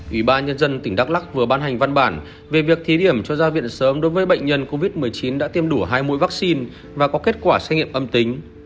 ủy ban nhân dân tỉnh đắk lắc vừa ban hành văn bản về việc thí điểm cho ra viện sớm đối với bệnh nhân covid một mươi chín đã tiêm đủ hai mũi vaccine và có kết quả xét nghiệm âm tính